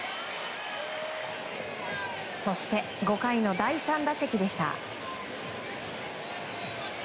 そして、５回の第３打席でした。